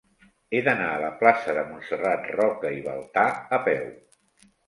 He d'anar a la plaça de Montserrat Roca i Baltà a peu.